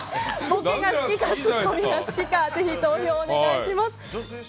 ボケが好きかツッコミが好きかぜひ投票をお願いします。